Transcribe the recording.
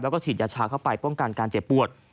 แล้วก็ฉีดยาชาเข้าไปป้องกันการเจ็บปวด